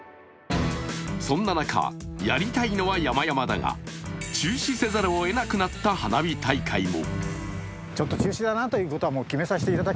そんな中、やりたいのはやまやまだが中止せざるを得なくなった花火大会も。